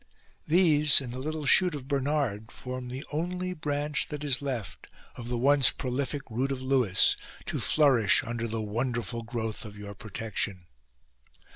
These and the little shoot of Bernard form the only branch that is left of the once prolific root of Lewis, to flourish under the wonderful growth of your protection.